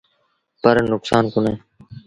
پر نڪسآݩ ڪونهي۔